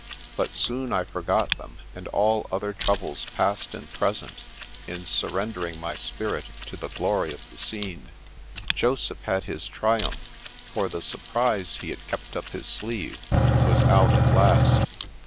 But soon I forgot them and all other troubles past and present, in surrendering my spirit to the glory of the scene. Joseph had his triumph, for the surprise he had kept up his sleeve was out at last.